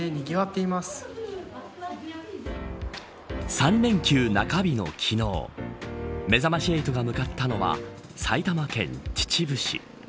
３連休中日の昨日めざまし８が向かったのは埼玉県秩父市。